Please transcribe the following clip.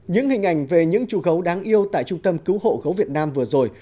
những hình ảnh về những chủ gấu đáng yêu tại trung tâm cứu hộ gấu việt nam vừa rồi